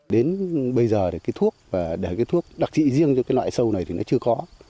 đến bây giờ thuốc đặc trị riêng cho loại sâu này thì nó chưa có